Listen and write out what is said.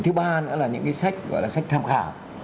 thứ ba nữa là những cái sách gọi là sách tham khảo